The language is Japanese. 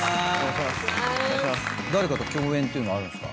誰かと共演ってあるんですか？